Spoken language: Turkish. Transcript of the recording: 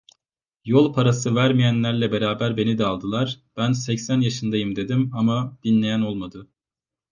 Yol parası vermeyenlerle beraber beni de aldılar; ben seksen yaşındayım dedim ama, dinleyen olmadı.